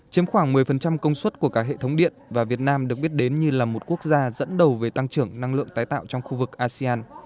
chiếm khoảng một mươi công suất của cả hệ thống điện và việt nam được biết đến như là một quốc gia dẫn đầu về tăng trưởng năng lượng tái tạo trong khu vực asean